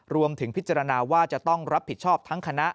รวมถึงพิจารณาว่าจะต้องรับผิดชอบทั้งคณะ